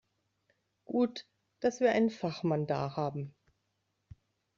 Gut, dass wir einen Fachmann da haben.